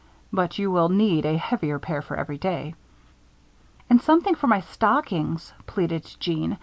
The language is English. "But you will need a heavier pair for everyday." "And something for my stockings," pleaded Jeanne.